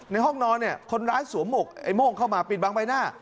ห้องนอนเนี่ยคนร้ายสวมหมวกไอ้โม่งเข้ามาปิดบังใบหน้า